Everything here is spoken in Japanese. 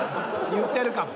言ってるかも。